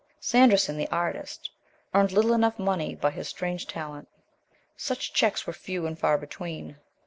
Sanderson, the artist, earned little enough money by his strange talent; such checks were few and far between.